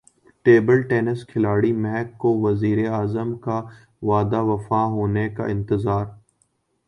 table tennis کھلاڑی مہک کو وزیراعظم کا وعدہ وفا ہونے کا انتظار